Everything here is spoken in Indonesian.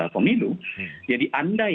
pemilu jadi andai